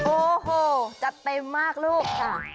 โอ้โหจัดเต็มมากลูกค่ะ